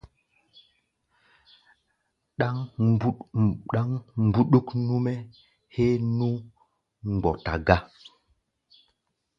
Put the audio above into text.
Ɗáŋ ɓuɗuk nú-mɛ́ héé nú mgbɔta gá.